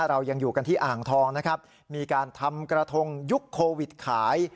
เรายังอยู่กันที่อ่างทองนะครับมีการทำกระทงยุคโควิดขาย